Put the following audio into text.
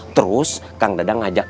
terus kang dadang ngajak